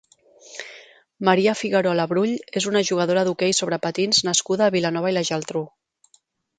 Maria Figuerola Brull és una jugadora d'hoquei sobre patins nascuda a Vilanova i la Geltrú.